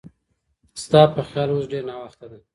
ستا په خیال اوس ډېر ناوخته دی؟